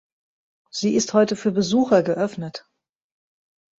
Sie ist heute für Besucher geöffnet.